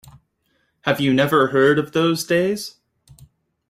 Have you never heard of those days?